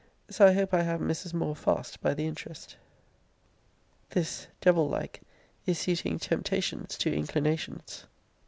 So I hope I have Mrs. Moore fast by the interest. This, devil like, is suiting temptations to inclinations.